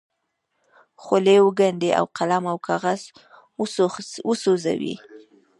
خولې وګنډي او قلم او کاغذ وسوځوي.